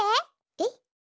えっ？